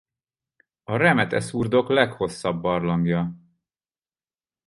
A Remete-szurdok leghosszabb barlangja.